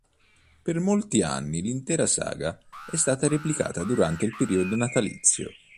Per molti anni, l'intera saga è stata replicata durante il periodo natalizio.